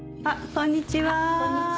こんにちは。